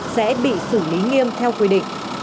sẽ bị xử lý nghiêm theo quy định